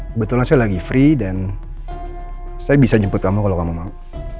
kebetulan saya lagi free dan saya bisa jemput kamu kalau kamu mau